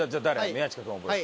宮近君覚える？